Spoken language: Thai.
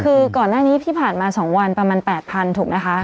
คือก่อนหน้านี้ที่ผ่านมา๒วันประมาณ๘๐๐๐ถูกไหมคะ